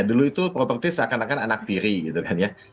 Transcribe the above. dulu itu properti seakan akan anak tiri gitu kan ya